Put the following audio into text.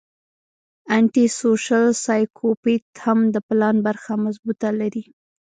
انټي سوشل سايکوپېت هم د پلان برخه مضبوطه لري